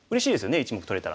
１目取れたら。